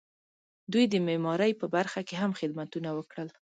دوی د معمارۍ په برخه کې هم خدمتونه وکړل.